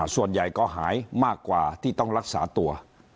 ส่วนใหญ่ก็หายมากกว่าที่ต้องรักษาตัว